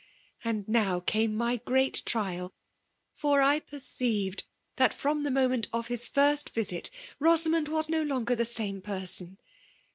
And now came my gveat trial ; &r« I perceived that, from the moment of his first vittt, Bosamond waa no longer the same person.